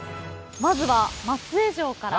まずは松江城から。